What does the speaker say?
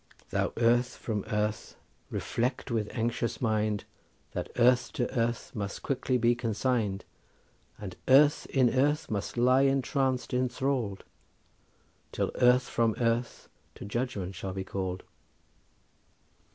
"Thou earth from earth reflect with anxious mind That earth to earth must quickly be consigned, And earth in earth must lie entranced enthralled Till earth from earth to judgment shall be called."